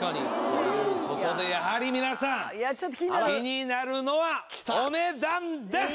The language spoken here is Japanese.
ここでやはり皆さん気になるのはお値段です！